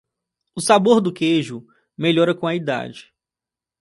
O sabor do queijo melhora com a idade.